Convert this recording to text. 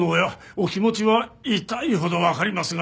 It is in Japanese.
お気持ちは痛いほどわかりますが。